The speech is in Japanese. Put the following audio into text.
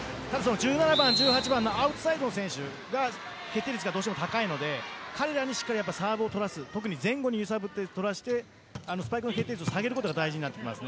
１７番、１８番のアウトサイドの選手がどうしても決定率が高いので彼らにしっかりサーブを取らせる特に前後に揺さぶって取らせてスパイクの決定率を下げることが大事です。